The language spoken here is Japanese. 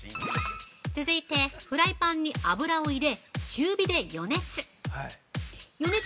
続いてフライパンに油を入れ、中火で予熱！